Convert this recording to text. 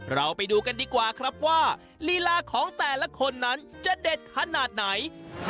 เราไปดูกันดีกว่าครับว่าลีลาของแต่ละคนนั้นจะเด็ดขนาดไหน